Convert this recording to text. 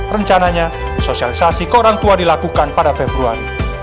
rencananya sosialisasi ke orang tua dilakukan pada februari